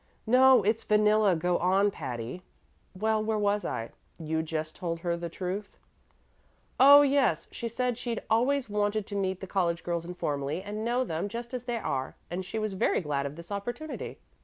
"No; it's vanilla. Go on, Patty." "Well, where was I?" "You'd just told her the truth." "Oh, yes. She said she'd always wanted to meet the college girls informally and know them just as they are, and she was very glad of this opportunity.